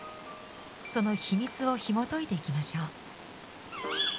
その秘密をひもといていきましょう。